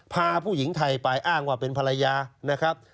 พาผู้หญิงไทยไปอ้างว่าเป็นภรรยานะครับ